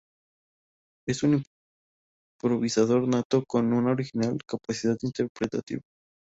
Es un improvisador nato con una original capacidad interpretativa.